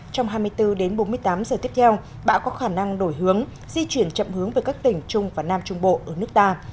trong hai mươi bốn đến bốn mươi tám giờ tiếp theo bão có khả năng đổi hướng di chuyển chậm hướng về các tỉnh trung và nam trung bộ ở nước ta